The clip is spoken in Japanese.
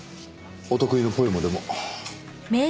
お得意のポエムでも。